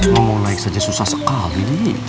ngomong naik saja susah sekali